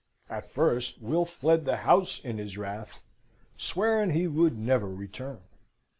At first, Will fled the house, in his wrath, swearing he would never return.